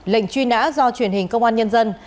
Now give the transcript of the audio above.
lệnh truy nã do truyền hình công an nhân dân